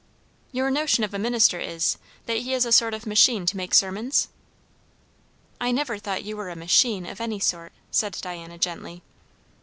"Your notion of a minister is, that he is a sort of machine to make sermons?" "I never thought you were a machine, of any sort," said Diana gently.